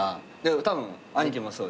たぶん兄貴もそうで。